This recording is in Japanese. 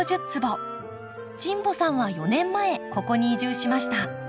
神保さんは４年前ここに移住しました。